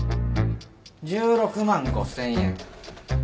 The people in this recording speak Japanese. １６万５０００円。